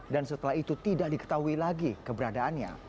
dan setelah itu tidak diketahui lagi keberadaannya